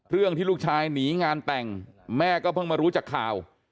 เรื่องที่ลูกชายหนีงานแต่งแม่ก็เพิ่งมารู้จากข่าว